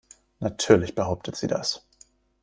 Natürlich behauptet sie das.